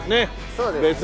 そうですね。